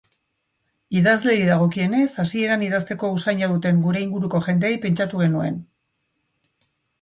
Idazleei dagokienez, hasieran idazteko usaia duten gure inguruko jendeei pentsatu genuen.